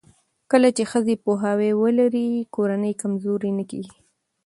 کله چې ښځې پوهاوی ولري، کورنۍ کمزورې نه کېږي.